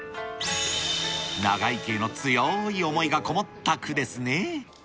長生きへの強ーい思いが込もった句ですね。